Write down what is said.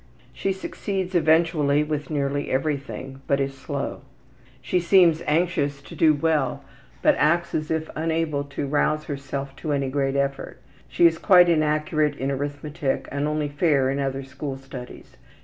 She succeeds eventually with nearly everything, but is slow. She seems anxious to do well, but acts as if unable to rouse herself to any great effort. She is quite inaccurate in arithmetic, and only fair in other school studies.